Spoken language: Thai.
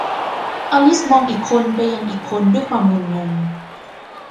อลิซมองอีกคนไปยังอีกคนด้วยความงุนงง